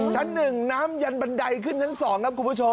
ชั้น๑น้ำยันบันไดขึ้นชั้น๒ครับคุณผู้ชม